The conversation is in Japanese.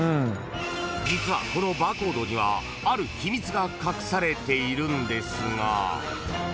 ［実はこのバーコードにはある秘密が隠されているんですが］